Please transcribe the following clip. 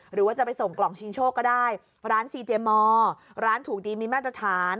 หรือว่าจะไปส่งกล่องชิงโชคก็ได้ร้านซีเจมอร์ร้านถูกดีมีมาตรฐาน